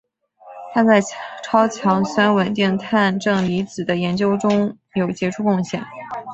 他在超强酸稳定碳正离子的研究中有杰出贡献。